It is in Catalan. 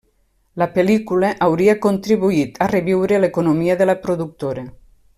La pel·lícula hauria contribuït a reviure l'economia de la productora.